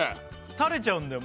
垂れちゃうんだよ